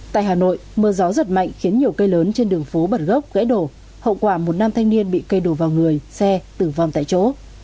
tại hà nội mưa gió giật mạnh khiến nhiều cây lớn trên đường phố bật gốc gãy đổ hậu quả một nam thanh niên bị cây đổ vào người xe tử vong tại chỗ